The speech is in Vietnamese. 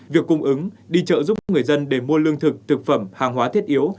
việc cung ứng đi chợ giúp người dân để mua lương thực thực phẩm hàng hóa thiết yếu